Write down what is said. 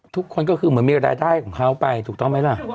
ทุกคนก็คือเหมือนมีรายได้ของเขาไปถูกต้องไหมล่ะ